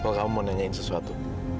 kalau kamu mau nanyain sesuatu